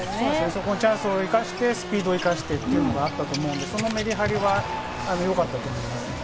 そこのチャンスを生かして、スピードを生かしてというのがあったと思うんですけど、そのメリハリはよかったと思いますね。